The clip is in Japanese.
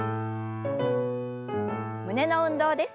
胸の運動です。